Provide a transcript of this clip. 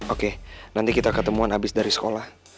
oke nanti kita ketemuan habis dari sekolah